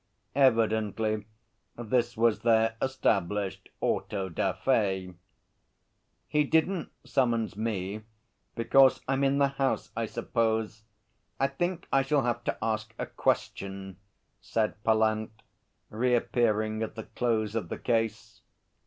Evidently this was their established auto da fé. 'He didn't summons me because I'm in the House, I suppose. I think I shall have to ask a Question,' said Pallant, reappearing at the close of the case.